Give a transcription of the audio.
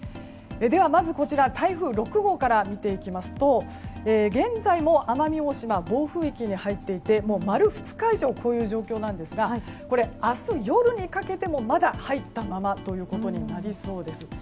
まず、こちら台風６号から見ていきますと現在も奄美大島は暴風域に入っていて丸２日以上こういう状況なんですが明日夜にかけてもまだ入ったままということになりそうです。